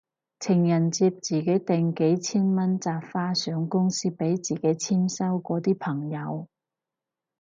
情人節自己訂幾千蚊紮花上公司俾自己簽收嗰啲朋友